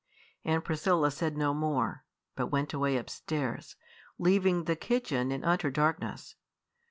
Aunt Priscilla said no more, but went away upstairs, leaving the kitchen in utter darkness.